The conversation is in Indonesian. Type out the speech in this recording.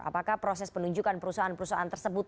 apakah proses penunjukan perusahaan perusahaan tersebut